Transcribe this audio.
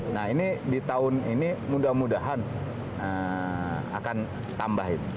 nah ini di tahun ini mudah mudahan akan tambahin